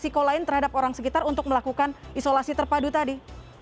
resiko lain terhadap orang sekitar untuk melakukan isolasi terpadu tadi